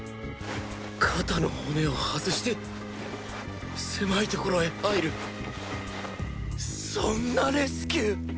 肩の骨を外して狭いところへ入るそんなレスキュー